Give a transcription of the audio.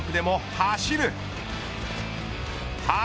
走る。